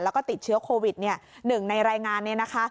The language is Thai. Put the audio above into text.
แล้วก็ติดเชื้อโควิด๑ในรายงานนี้นะคะ